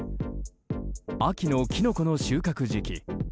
秋のキノコの収穫時期。